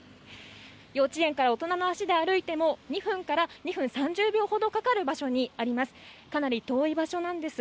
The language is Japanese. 幼稚園から大人の足で歩いても２分から２分３０秒ほどかかる場所にあります。